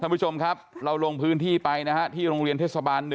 ผู้ชมครับเราลงพื้นที่ไปนะฮะที่โรงเรียนเทศบาล๑